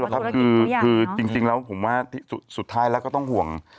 คือจริงแล้วผมว่าสุดท้ายแล้วก็ต้องห่วง